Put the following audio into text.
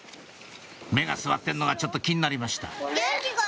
目が据わってるのがちょっと気になりました